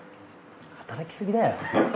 働きすぎだよ。